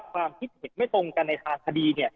ความคิดเห็นไม่ตรงกันในทางคดี